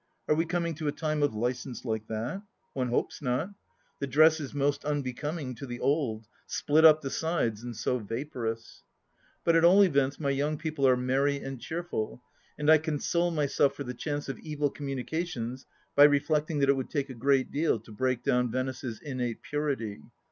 Are we coming to a time of licence like that ? One hopes not. The dress is most unbecoming to the old — split up the sides, and so vaporous ! But at all events my young people are merry and cheerful, and I console myself for the chance of evil communications by reflecting that it would take a great deal to break down Venice's innate purity.